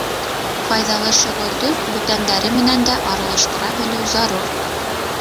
Файҙалы шөғөлдө бүтәндәре менән дә аралаштыра белеү зарур.